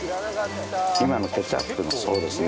今のケチャップのそうですね